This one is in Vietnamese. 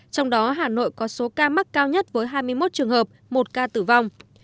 trong đó hà nội có số ca mắc cao nhất với hai mươi một trường hợp một ca tử vong